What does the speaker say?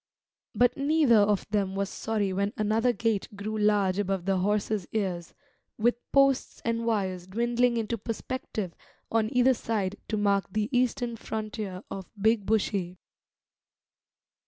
But neither of them was sorry when another gate grew large above the horses' ears, with posts and wires dwindling into perspective on either side to mark the eastern frontier of Big Bushy.